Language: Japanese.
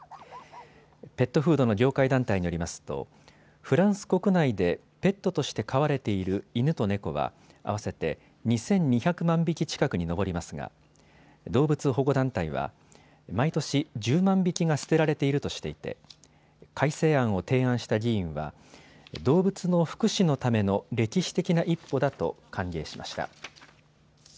ペットフードの業界団体によりますとフランス国内でペットとして飼われている犬と猫は合わせて２２００万匹近くに上りますが動物保護団体は毎年１０万匹が捨てられているとしていて改正案を提案した議員は動物の福祉のための歴史的な一歩だと歓迎しました。